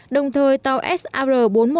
đồng thời tàu sar bốn trăm một mươi hai